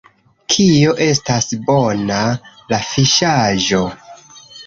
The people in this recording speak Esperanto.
Kio estas bona? la fiŝaĵo!